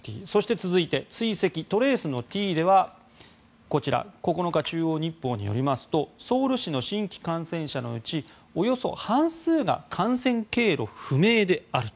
続いて追跡・トレースのＴでは９日、中央日報によりますとソウル市の新規感染者のうちおよそ半数が感染経路不明であると。